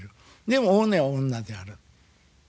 でも本音は女である。